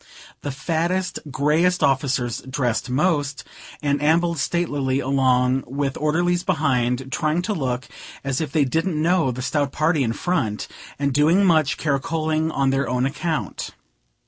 The fattest, greyest officers dressed most, and ambled statelily along, with orderlies behind, trying to look as if they didn't know the stout party in front, and doing much caracoling on their own account.